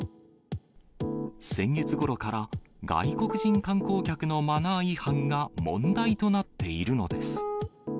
先月ごろから外国人観光客のマナー違反が問題となっているのです。